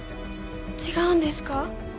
違うんですか？